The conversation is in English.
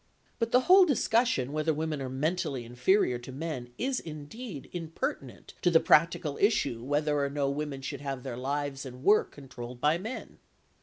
But the whole discussion whether women are mentally inferior to men is indeed impertinent to the practical issue whether or no women should have their lives and work controlled by men.